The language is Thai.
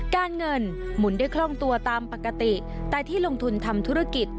การเงินหมุนได้คล่องตัวตามปกติแต่ที่ลงทุนทำธุรกิจ